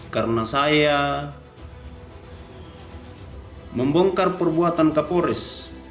karena saya membongkar perbuatan kapolres